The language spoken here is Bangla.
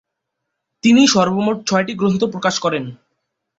তিনি সর্বমোট ছয়টি গ্রন্থ প্রকাশ করেন।